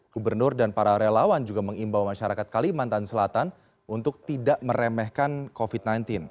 gubernur dan para relawan juga mengimbau masyarakat kalimantan selatan untuk tidak meremehkan covid sembilan belas